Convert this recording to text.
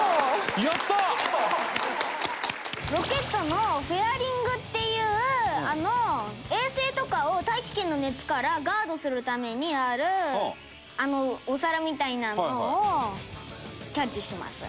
ロケットのフェアリングっていう衛星とかを大気圏の熱からガードするためにあるお皿みたいなものをキャッチします。